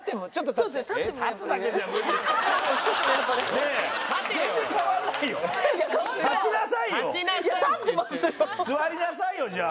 座りなさいよじゃあ。